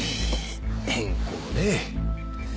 変更ね。